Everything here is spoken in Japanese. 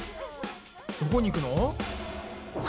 どこに行くの？